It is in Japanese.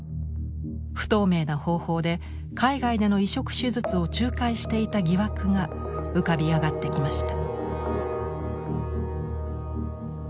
不透明な方法で海外での移植手術を仲介していた疑惑が浮かび上がってきました。